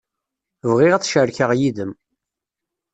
Bɣiɣ ad t-cerkeɣ yid-m.